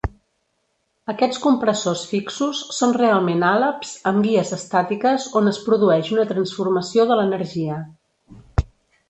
Aquests compressors fixos són realment àleps amb guies estàtiques on es produeix un transformació de l"energia.